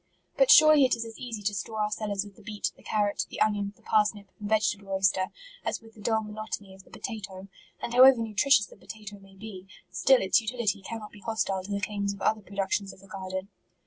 But surely it is as easy to store our cellars with the beet, the carrot, the onion, the parsnip, and vegetable oyster, as with the dull monotony of the potatoe ; and however nutritious the potatoe may be, still its utility cannot be hostile to the claims of other productions of the garden.